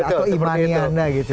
atau imani anda gitu ya